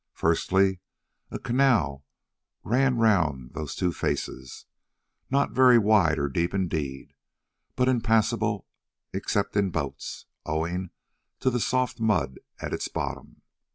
Firstly, a canal ran round these two faces, not very wide or deep indeed, but impassable except in boats, owing to the soft mud at its bottom.